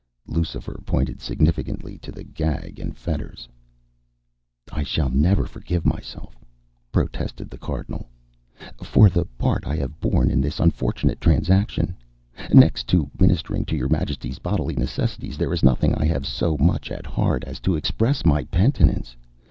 Lucifer pointed significantly to the gag and fetters. "I shall never forgive myself," protested the Cardinal, "for the part I have borne in this unfortunate transaction. Next to ministering to your Majesty's bodily necessities, there is nothing I have so much at heart as to express my penitence.